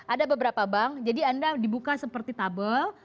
ada beberapa bank jadi anda dibuka seperti tabel